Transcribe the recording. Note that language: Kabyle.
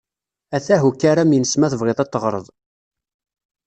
Atah ukaram-ines ma tebɣiḍ a t-teɣreḍ.